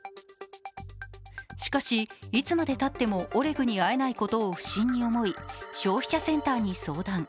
しかし、いつまでたってもオレグに会えないことを不審に思い消費者センターに相談。